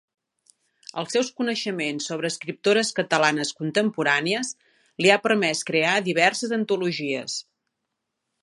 Els seus coneixements sobre escriptores catalanes contemporànies li ha permès crear diverses antologies.